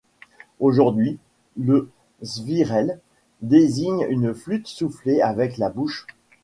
Aujourd'hui le svirel désigne une flûte soufflée avec la bouche.